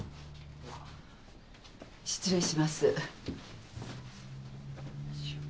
失礼します。